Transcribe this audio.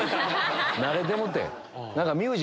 慣れてもうてん。